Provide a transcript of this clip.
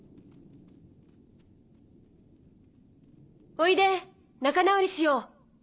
おいで仲直りしよう。